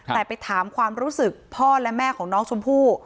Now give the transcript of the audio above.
แต่ไปถามความรู้สึกพ่อและแม่ของน้องชมพู่